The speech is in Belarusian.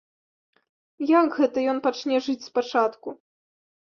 Як гэта ён пачне жыць спачатку?